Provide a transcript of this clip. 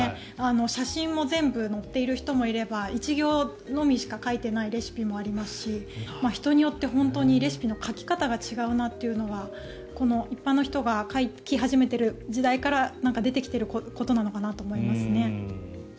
写真も全部載っている人もいれば１行のみしか書いてないレシピもありますし人によって本当にレシピの書き方が違うなというのはこの一般の人が書き始めている時代から出てきていることなのかなと思いますね。